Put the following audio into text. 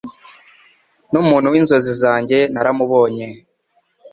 numuntu w'inzozi zanjye naramubonye